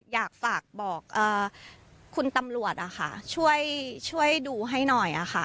อยากฝากบอกคุณตำรวจช่วยดูให้หน่อยค่ะ